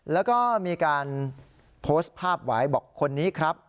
แล้วก็มีการโพสต์ภาพไว้บอกคนนี้ครับ